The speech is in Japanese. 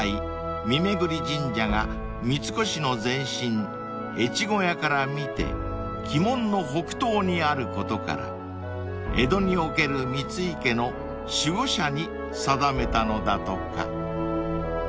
三囲神社が三越の前身越後屋から見て鬼門の北東にあることから江戸における三井家の守護社に定めたのだとか］